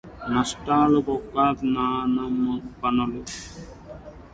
నష్టపెట్టబోకు నాన్నపనులు